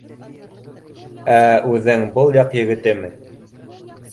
Ә үҙең был яҡ егетеме?